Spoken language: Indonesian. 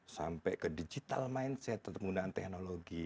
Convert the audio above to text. sampai ke digital mindset penggunaan teknologi